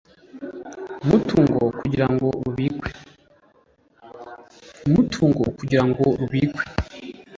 umutungo kugira ngo rubikwe